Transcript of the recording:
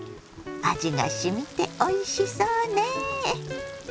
味がしみておいしそうね。